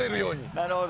なるほど。